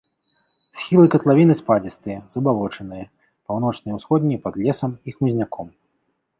Схілы катлавіны спадзістыя, забалочаныя, паўночныя і ўсходнія пад лесам і хмызняком.